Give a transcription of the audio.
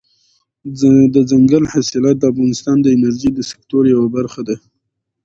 دځنګل حاصلات د افغانستان د انرژۍ د سکتور یوه برخه ده.